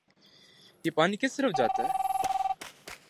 یہ پانی کس طرف جاتا ہے